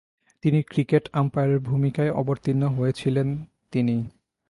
তিনি ক্রিকেট আম্পায়ারের ভূমিকায় অবতীর্ণ হয়েছিলেন তিনি।